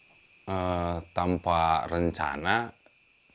nah kemudian saya tanpa rencana ada takdir untuk bisa mencari